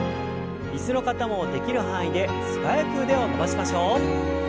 椅子の方もできる範囲で素早く腕を伸ばしましょう。